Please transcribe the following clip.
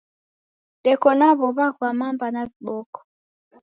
Deka na w'ow'a ghwa mamba na viboko